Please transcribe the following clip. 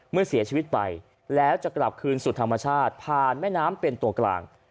เมื่อเสียชีวิตไปแล้วจะกลับคืนสู่ธรรมชาติผ่านแม่น้ำเป็นตัวกลาง